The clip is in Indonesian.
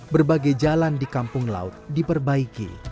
berbagai jalan di kampung laut diperbaiki